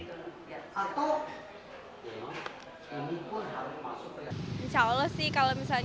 lalu bagaimana tanggapan masyarakat ini sendiri